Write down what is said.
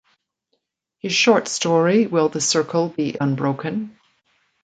His short story Will the Circle Be Unbroken?